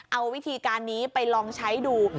เอาวิธีการนี้ไปลองใช้ดู